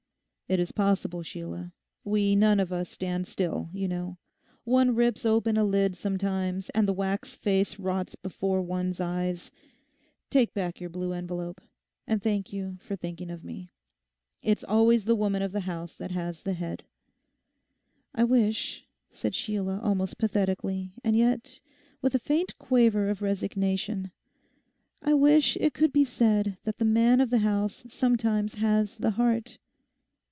'It is possible, Sheila; we none of us stand still, you know. One rips open a lid sometimes and the wax face rots before one's eyes. Take back your blue envelope; and thank you for thinking of me. It's always the woman of the house that has the head.' 'I wish,' said Sheila almost pathetically, and yet with a faint quaver of resignation, 'I wish it could be said that the man of the house sometimes has the heart.